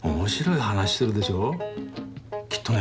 きっとね